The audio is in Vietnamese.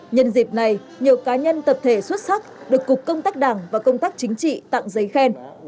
nhân dịp này nhiều cá nhân tập thể xuất sắc được cục công tác đảng và công tác chính trị tặng giấy khen